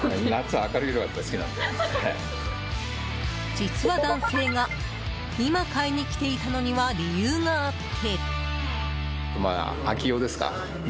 実は男性が今買いに来ていたのには理由があって。